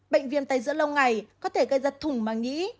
bệnh viêm tay giữa lâu ngày có thể gây ra thủng mạng nhĩ